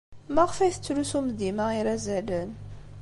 Maɣef ay tettlusum dima irazalen?